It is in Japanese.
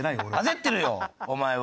焦ってるよお前は。